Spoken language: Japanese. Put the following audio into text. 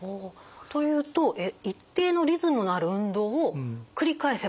というと一定のリズムのある運動を繰り返せばいいんですか？